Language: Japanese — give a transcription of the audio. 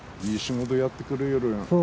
いい仕事やってくれよるな。